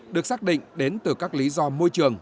được xác định đến từ các lý do môi trường